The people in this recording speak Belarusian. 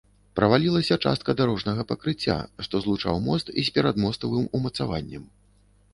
Правалілася частка дарожнага пакрыцця, што злучаў мост з перадмастовым умацаваннем.